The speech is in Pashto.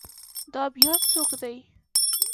دا بیا څوک دی؟